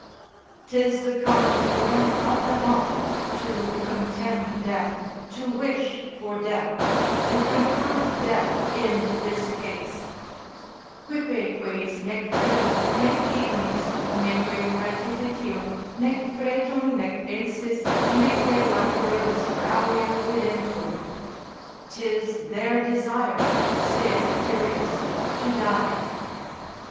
'Tis the common humour of them all, to contemn death, to wish for death, to confront death in this case, Quippe queis nec fera, nec ignis, neque praecipitium, nec fretum, nec ensis, neque laqueus gravia videntur; 'Tis their desire (saith Tyrius) to die.